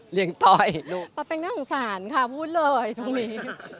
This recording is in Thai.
เลี่ยงต้อยปะแป้งน่าสงสารค่ะพูดเลยตรงนี้